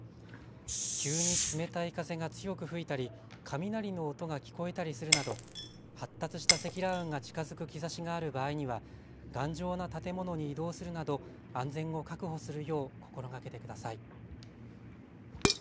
急に冷たい風が強く吹いたり雷の音が聞こえたりするなど発達した積乱雲が近づく兆しがある場合には頑丈な建物に移動するなど安全を確保するよう心がけてください。